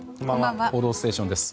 「報道ステーション」です。